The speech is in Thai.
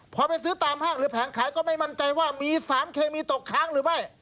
พอไปซื้อตามห้างหรือแผงขายก็ไม่มั่นใจว่ามีสารเคมีตกค้างหรือไม่